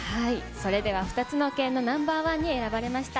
それでは２つの県のＮｏ．１に選ばれました。